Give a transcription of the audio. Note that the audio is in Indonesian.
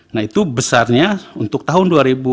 nah itu besarnya untuk tahun dua ribu dua